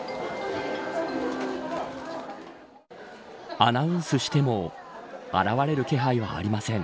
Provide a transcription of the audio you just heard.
アナウンスしても現れる気配はありません。